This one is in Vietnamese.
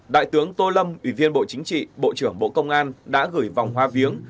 đại tướng tô lâm ủy viên bộ chính trị bộ trưởng bộ công an đã gửi vòng hoa viếng